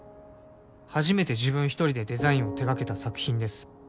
「初めて自分ひとりでデザインを手掛けた作品です」